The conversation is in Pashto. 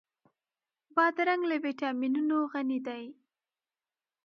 بادرنګ له ويټامینونو غني دی.